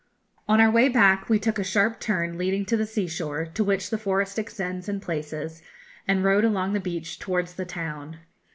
] On our way back we took a sharp turn leading to the sea shore, to which the forest extends in places, and rode along the beach towards the town.